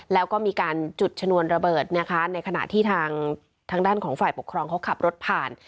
แล้วก็มีการจุดชนวนระเบิดนะคะในขณะที่ทางด้านของฝ่ายปกครองเขาขับรถผ่าน